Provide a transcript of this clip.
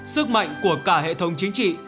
sức mạnh của cả hệ thống chính trị